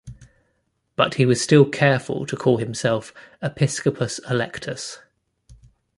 But he was still careful to call himself "Episcopus-electus".